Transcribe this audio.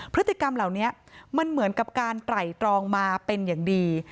พฤติกรรมเหล่านี้มันเหมือนกับการไตรตรองมาเป็นอย่างดี